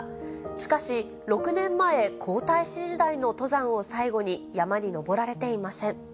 しかし、６年前、皇太子時代の登山を最後に、山に登られていません。